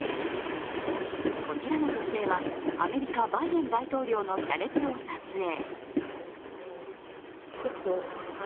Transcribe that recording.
こちらの女性は、アメリカバイデン大統領の車列を撮影。